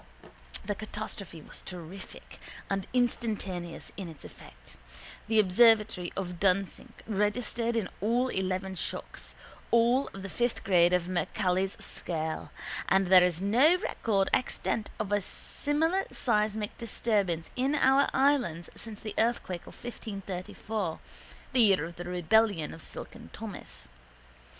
The catastrophe was terrific and instantaneous in its effect. The observatory of Dunsink registered in all eleven shocks, all of the fifth grade of Mercalli's scale, and there is no record extant of a similar seismic disturbance in our island since the earthquake of 1534, the year of the rebellion of Silken Thomas.